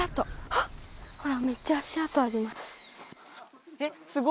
ほらめっちゃ足跡あります。